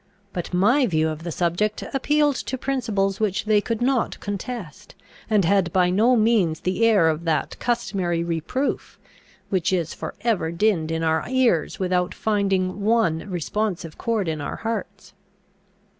But my view of the subject appealed to principles which they could not contest, and had by no means the air of that customary reproof which is for ever dinned in our ears without finding one responsive chord in our hearts.